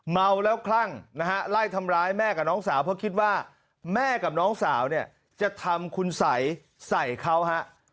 เมาแล้วคลั่งนะฮะไล่ทำร้ายแม่กับน้องสาวเพราะคิดว่าแม่กับน้องสาวเนี่ยจะทำคุณสัยใส่เขาฮะ